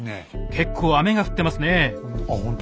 結構雨が降ってますね。